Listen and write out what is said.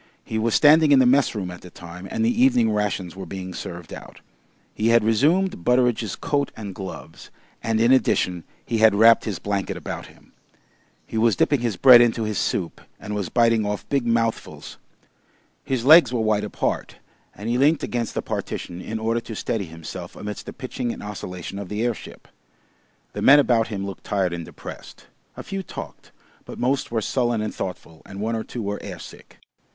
He was standing in the messroom at the time and the evening rations were being served out. He had resumed Butteridge's coat and gloves, and in addition he had wrapped his blanket about him. He was dipping his bread into his soup and was biting off big mouthfuls. His legs were wide apart, and he leant against the partition in order to steady himself amidst the pitching and oscillation of the airship. The men about him looked tired and depressed; a few talked, but most were sullen and thoughtful, and one or two were air sick.